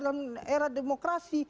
dalam era demokrasi